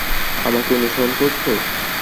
আমাকে অনুসরণ করছো?